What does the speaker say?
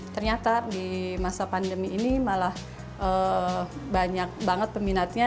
ternyata di masa pandemi ini malah banyak banget peminatnya